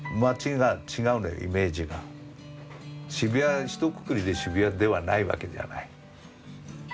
渋谷ひとくくりで渋谷ではないわけじゃない。